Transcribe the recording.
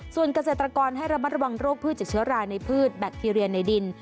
ส่วนเกษตรกรให้ระมัดระวังโรคพืชจากเชื้อรายในพืชแบคทีเรียในดิน